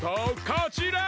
こちら！